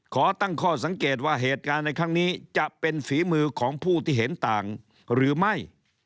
ขอตั้งข้อสังเกตว่าเหตุการณ์ในครั้งนี้จะเป็นฝีมือของผู้ที่เห็นต่างหรือไม่